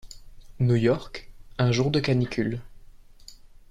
New York, un jour de canicule.